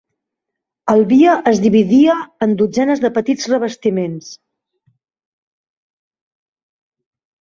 El via es dividia en dotzenes de petits revestiments.